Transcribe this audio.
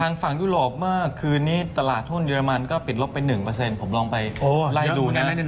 ฝั่งยุโรปเมื่อคืนนี้ตลาดหุ้นเรมันก็ปิดลบไป๑ผมลองไปไล่ดูนะ